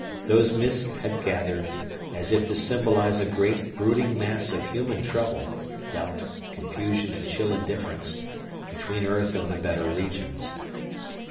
Those mists had gathered, as if to symbolize a great, brooding mass of human trouble, doubt, confusion, and chill indifference, between earth and the better regions.